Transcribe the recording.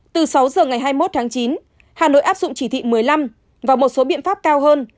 từ sáu giờ ngày hai mươi một tháng chín hà nội áp dụng chỉ thị một mươi năm và một số biện pháp cao hơn